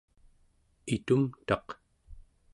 itumtaq